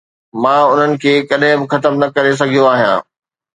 مان انهن کي ڪڏهن به ختم نه ڪري سگهيو آهيان